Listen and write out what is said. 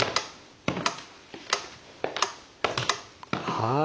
はい。